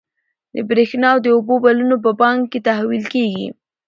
د برښنا او اوبو بلونه په بانک کې تحویل کیږي.